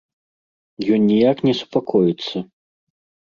Ён ніяк не супакоіцца.